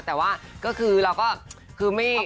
แต่ว่าก็คือเราก็คือไม่